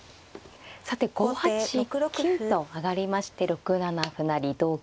さて５八金と上がりまして６七歩成同金